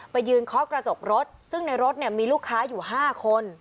ยืนเคาะกระจกรถซึ่งในรถเนี่ยมีลูกค้าอยู่๕คน